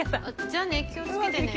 じゃあね気をつけてね。